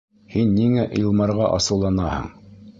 Һин ниңә Илмарға асыуланаһың?